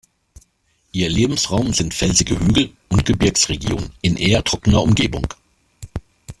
Ihr Lebensraum sind felsige Hügel- und Gebirgsregionen in eher trockener Umgebung.